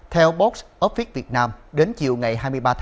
theo box office việt nam đến chiều ngày hai mươi ba một mươi